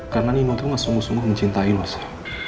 karena nino tuh gak sungguh sungguh mencintai lo sa